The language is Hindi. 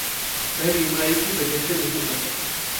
वह बीमारी की वजह से नहीं आ सका।